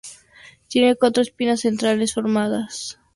Tiene cuatro espinas centrales formadas y nueve espinas radiales disponibles.